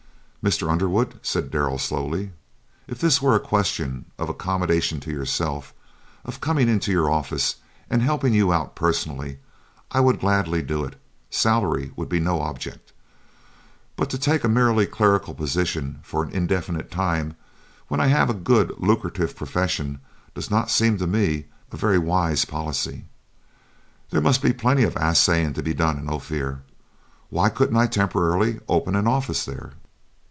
"Mr. Underwood," said Darrell, slowly, "if this were a question of accommodation to yourself, of coming into your office and helping you out personally, I would gladly do it; salary would be no object; but to take a merely clerical position for an indefinite time when I have a good, lucrative profession does not seem to me a very wise policy. There must be plenty of assaying to be done in Ophir; why couldn't I temporarily open an office there?"